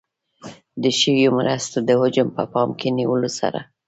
د شویو مرستو د حجم په پام کې نیولو سره.